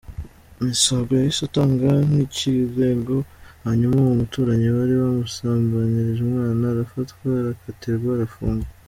Misago yahise atanga n’ikirego hanyuma uwo muturanyi wari wamusambanyirije umwana arafatwa, arakatirwa, arafungwa.